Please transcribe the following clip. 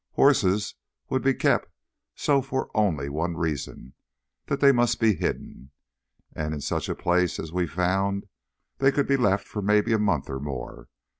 Horses would be kept so for only one reason, that they must be hidden. And in such a place as we found they could be left for maybe a month, or more.